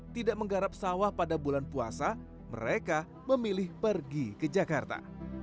tidak menggarap sawah pada bulan puasa mereka memilih pergi ke jakarta